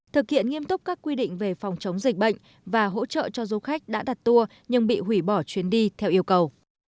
thực hiện nghiêm túc các quy định về phòng chống dịch bệnh và hỗ trợ cho du khách đã đặt tour nhưng bị hủy bỏ chuyến đi theo yêu cầu